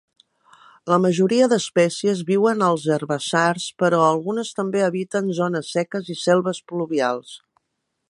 La majoria d'espècies viuen a herbassars, però algunes també habiten zones seques i selves pluvials.